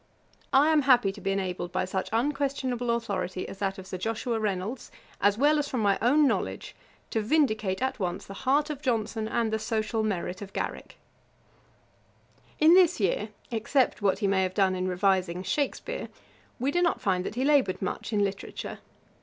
I am happy to be enabled by such unquestionable authority as that of Sir Joshua Reynolds, as well as from my own knowledge, to vindicate at once the heart of Johnson and the social merit of Garrick. [Page 482: Johnson's self accusations. A.D. 1764.] In this year, except what he may have done in revising Shakspeare, we do not find that he laboured much in literature.